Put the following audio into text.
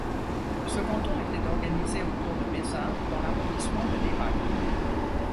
Ce canton était organisé autour de Mézin dans l'arrondissement de Nérac.